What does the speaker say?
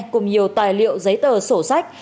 cùng nhiều tài liệu giấy tờ sổ sách